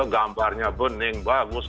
gambarnya bening bagus